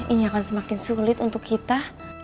ini akan semakin sulit untuk kita